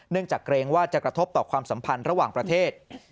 จากเกรงว่าจะกระทบต่อความสัมพันธ์ระหว่างประเทศ